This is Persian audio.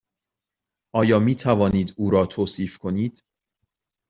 آیا می توانید او را توصیف کنید؟